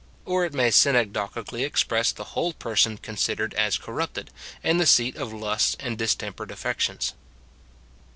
6 ; or it may synecdochically express the whole person considered as corrupted, and the seat of lusts and distempered afi'ections.